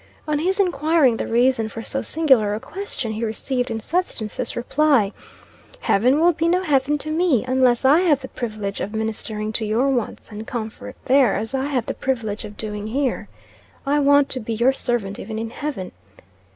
On his inquiring the reason for so singular a question, he received, in substance, this reply 'Heaven will be no heaven to me, unless I have the privilege of ministering to your wants and comfort there as I have the privilege of doing here. I want to be your servant even in heaven.'